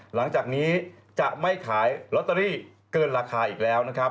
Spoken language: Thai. หลังจากนี้จะไม่ขายลอตเตอรี่เกินราคาอีกแล้วนะครับ